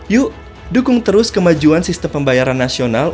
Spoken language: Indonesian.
yuk dukung terus kemajuan sistem pembayaran nasional